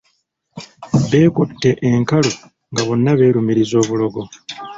Beekutte enkalu nga bonna beerumiriza obulogo.